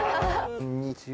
こんにちは。